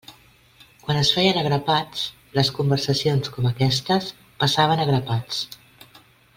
Quan es feien a grapats, les conversacions com aquestes passaven a grapats.